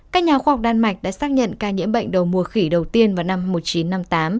các nhà khoa học đan mạch đã xác nhận ca nhiễm bệnh đầu mùa khỉ đầu tiên vào năm một nghìn chín trăm năm mươi tám